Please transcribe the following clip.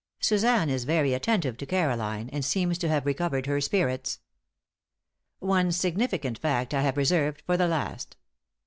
Suzanne is very attentive to Caroline, and seems to have recovered her spirits. One significant fact I have reserved for the last.